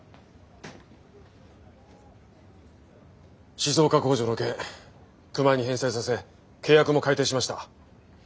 静岡工場の件熊井に返済させ契約も改定しました。